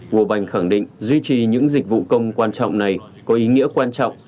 world bank khẳng định duy trì những dịch vụ công quan trọng này có ý nghĩa quan trọng